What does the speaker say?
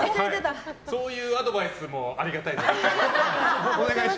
そういうアドバイスもありがたいです。